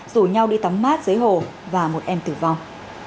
rủ nhau đi tắm mát dưới hồ và một em tử vong